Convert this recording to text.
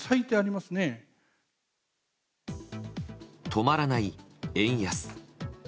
止まらない円安。